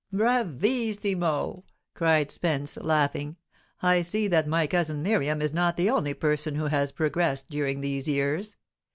"Bravissimo!" cried Spenee, laughing. "I see that my cousin Miriam is not the only person who has progressed during these years.